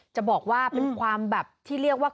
จะบอกว่าเป็นความแบบที่เรียกว่า